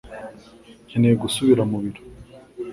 Nkeneye gusubira mu biro